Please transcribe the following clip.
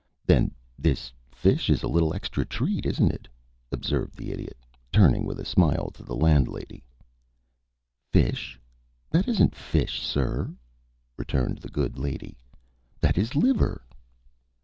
"Then this fish is a little extra treat, is it?" observed the Idiot, turning with a smile to the landlady. "Fish? That isn't fish, sir," returned the good lady. "That is liver."